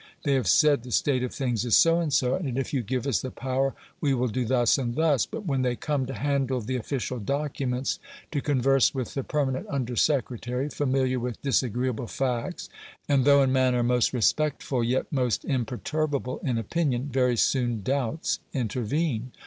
They have said the state of things is so and so, and if you give us the power we will do thus and thus. But when they come to handle the official documents, to converse with the permanent under secretary familiar with disagreeable facts, and though in manner most respectful, yet most imperturbable in opinion very soon doubts intervene.